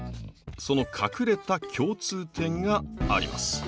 その隠れた共通点があります。